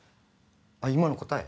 あっ今の答え？